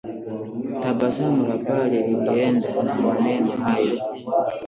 Tabasamu la pale lilienda na maneno hayo